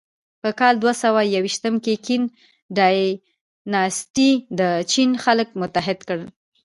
په کال دوهسوهیوویشت کې کین ډایناسټي د چین خلک متحد کړل.